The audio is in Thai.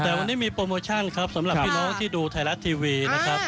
แต่วันนี้มีโปรโมชั่นครับสำหรับพี่น้องที่ดูไทยรัฐทีวีนะครับ